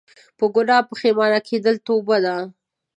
په ګناه پښیمانه کيدل توبه ده